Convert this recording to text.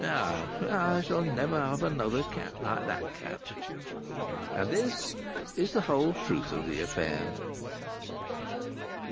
Ay! I shall never have another cat like that cat." And this is the whole truth of the affair.